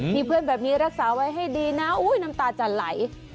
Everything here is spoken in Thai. มีเพื่อนแบบนี้รักษาไว้ให้ดีนะน้ำตาจะไหล